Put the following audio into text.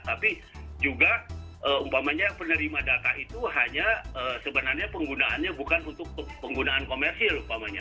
tapi juga umpamanya penerima data itu hanya sebenarnya penggunaannya bukan untuk penggunaan komersil umpamanya